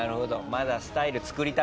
まだスタイル作りたてはね。